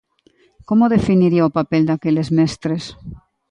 Como definiría o papel daqueles mestres?